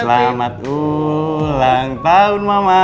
selamat ulang tahun mama